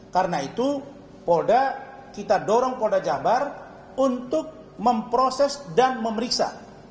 karena itu polda kita dorong polda jabar untuk memproses dan memeriksa